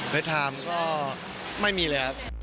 เฟสไทม์ก็ไม่มีเลยครับ